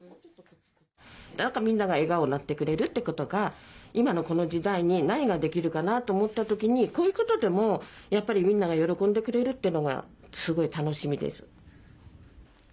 何かみんなが笑顔になってくれるってことが今のこの時代に何ができるかなと思った時にこういうことでもやっぱりみんなが喜んでくれるってのがすごい楽しみです。